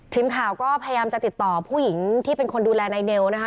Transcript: ทีมข่าวก็พยายามจะติดต่อผู้หญิงที่เป็นคนดูแลนายเนวนะคะ